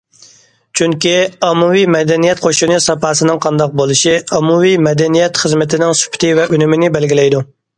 چۈنكى، ئاممىۋى مەدەنىيەت قوشۇنى ساپاسىنىڭ قانداق بولۇشى ئاممىۋى مەدەنىيەت خىزمىتىنىڭ سۈپىتى ۋە ئۈنۈمىنى بەلگىلەيدۇ.